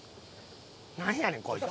なんやねん、こいつ。